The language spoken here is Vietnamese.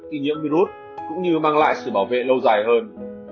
khi nhiễm virus cũng như mang lại sự bảo vệ lâu dài hơn